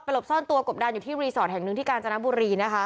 หลบซ่อนตัวกบดันอยู่ที่รีสอร์ทแห่งหนึ่งที่กาญจนบุรีนะคะ